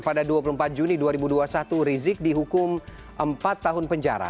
pada dua puluh empat juni dua ribu dua puluh satu rizik dihukum empat tahun penjara